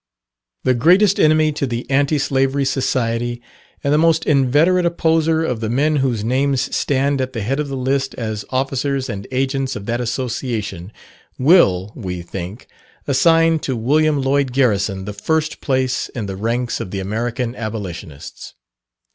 The greatest enemy to the Anti Slavery Society, and the most inveterate opposer of the men whose names stand at the head of the list as officers and agents of that association, will, we think, assign to William Lloyd Garrison, the first place in the ranks of the American Abolitionists.